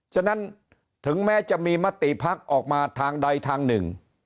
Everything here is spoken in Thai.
ฉะนั้นถึงแม้จะมีมติพักออกมาทางใดทางหนึ่ง